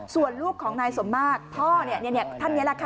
ส่วนลูกของนายสมมากพ่อเนี่ยท่านเนี่ยล่ะค่ะ